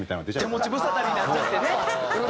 手持ち無沙汰になっちゃってね。